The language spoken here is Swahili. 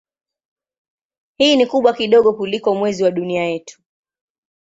Hii ni kubwa kidogo kuliko Mwezi wa Dunia yetu.